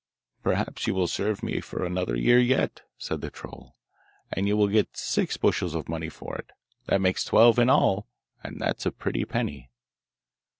'Perhaps you will serve me for another year yet,' said the troll, 'and you will get six bushels of money for it; that makes twelve in all, and that is a pretty penny.